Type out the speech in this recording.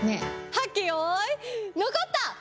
はっけよいのこった！